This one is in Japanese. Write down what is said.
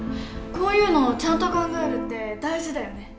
こういうのちゃんと考えるって大事だよね。